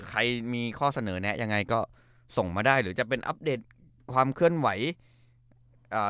ใครมีข้อเสนอแนะยังไงก็ส่งมาได้หรือจะเป็นอัปเดตความเคลื่อนไหวอ่า